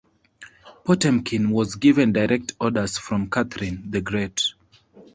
Potemkin was given direct orders from Catherine the Great.